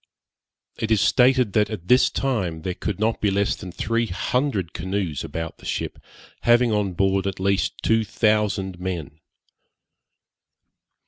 It is stated that, at this time, there could not be less than three hundred canoes about the ship, having on board at least two thousand men.